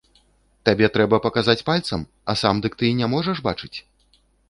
Табе трэба паказаць пальцам, а сам дык ты не можаш бачыць?